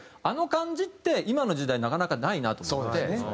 あの感じって今の時代なかなかないなと思って。